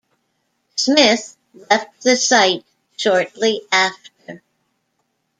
Smith left the site shortly after.